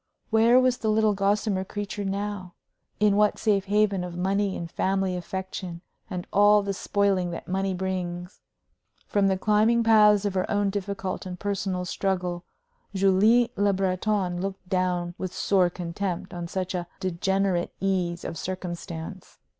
Where was the little gossamer creature now in what safe haven of money and family affection, and all the spoiling that money brings? From the climbing paths of her own difficult and personal struggle Julie Le Breton looked down with sore contempt on such a degenerate ease of circumstance.